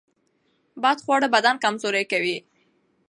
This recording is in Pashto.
بد خواړه بدن کمزوری کوي.